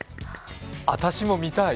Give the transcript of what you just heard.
私も見たい。